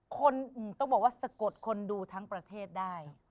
คนต้องบอกว่าสะกดคนดูทั้งประเทศได้